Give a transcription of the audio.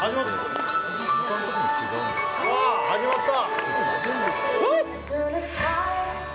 始まった。